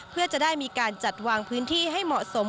เพื่อจะได้มีการจัดวางพื้นที่ให้เหมาะสม